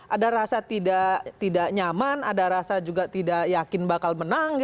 ada rasa tidak nyaman ada rasa juga tidak yakin bakal menang